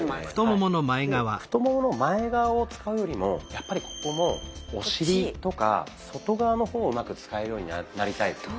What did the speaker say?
太ももの前側を使うよりもやっぱりここもお尻とか外側の方をうまく使えるようになりたいですね。